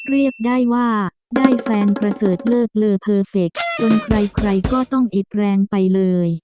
เรียกได้ว่าได้แฟนประเสริฐเลิกเลอเพอร์เฟคจนใครก็ต้องอิดแรงไปเลย